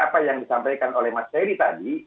apa yang disampaikan oleh mas ferry tadi